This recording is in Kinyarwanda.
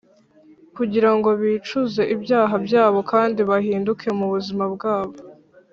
kugira ngo bicuze ibyaha byabo, kandi bahinduke mu buzima bwabo”